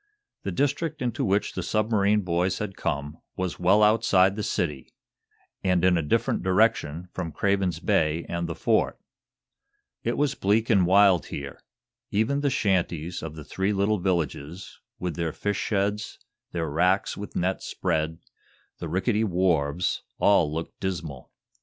The district into which the submarine boys had come was well outside of the city, and in a different direction from Craven's Bay and the Fort. It was bleak and wild here. Even the shanties of the three little villages, with their fish sheds, their racks with nets spread, the rickety wharves all looked dismal.